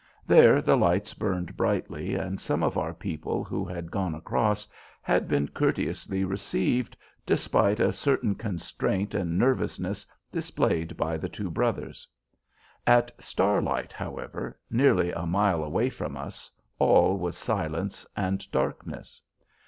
There the lights burned brightly, and some of our people who had gone across had been courteously received, despite a certain constraint and nervousness displayed by the two brothers. At "Starlight," however, nearly a mile away from us, all was silence and darkness.